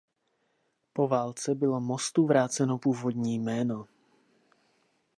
Po válce bylo mostu vráceno původní jméno.